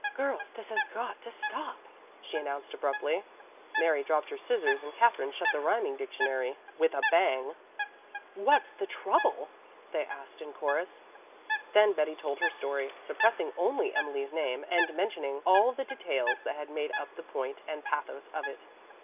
"Girls, this has got to stop," she announced abruptly. Mary dropped her scissors and Katherine shut the rhyming dictionary with a bang. "What is the trouble?" they asked in chorus. Then Betty told her story, suppressing only Emily's name and mentioning all the details that had made up the point and pathos of it.